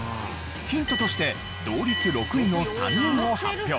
ヒントとして同率６位の３人を発表。